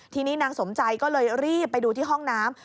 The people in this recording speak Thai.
ทีนี้นางสมใจก็เลยรีบไปดูที่ห้องน้ำ